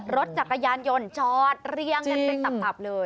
รถจักรยานยนต์จอดเรียงกันเป็นตับเลย